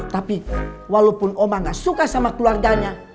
tapi walaupun oma gak suka sama keluarganya